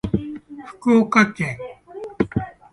福岡県